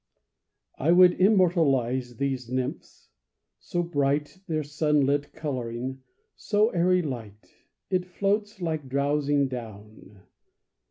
I would immortalize these nymphs: so bright Their sunlit colouring, so airy light, It floats like drowsing down.